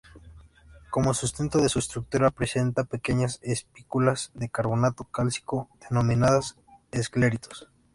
Como sustento de su estructura presentan pequeñas espículas de carbonato cálcico denominadas escleritos.